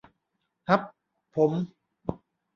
ฮับผม